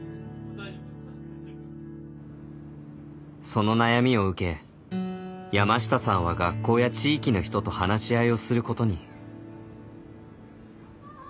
その悩みを受け山下さんは学校や地域の人と話し合いをすることに。